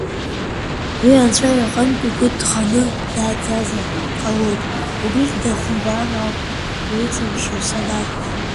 Уи Анцәа иҟынтә игәы ҭганы дааӡазар ҟалоит, убригь дахумбаар ауп, уиҵамшьыцроуп, нан…